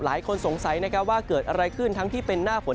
หลายคนสงสัยนะครับว่าเกิดอะไรขึ้นทั้งที่เป็นหน้าฝน